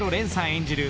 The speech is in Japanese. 演じる